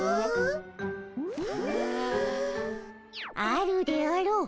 あるであろう。